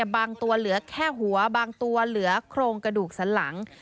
ตัวเหลือแค่หัวบางตัวเหลือโครงกระดูกสันหลัง